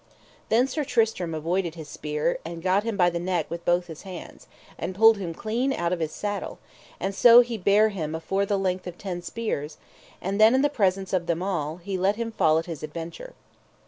Then Sir Tristram avoided his spear, and gat him by the neck with his both hands, and pulled him clean out of his saddle, and so he bare him afore him the length of ten spears, and then in the presence of them all he let him fall at his adventure.